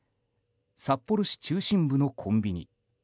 札幌市中心部のコンビニ。